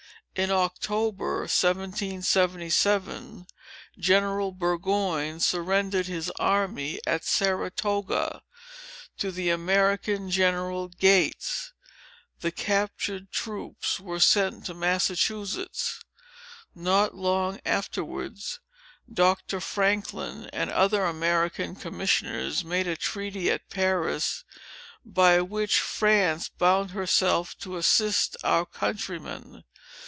In October, 1777, General Burgoyne surrendered his army, at Saratoga, to the American general, Gates. The captured troops were sent to Massachusetts. Not long afterwards, Doctor Franklin and other American commissioners made a treaty at Paris, by which France bound herself to assist our countrymen.